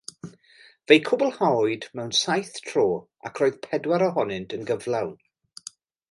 Fe'i cwblhawyd mewn saith tro, ac roedd pedwar ohonynt yn gyflawn.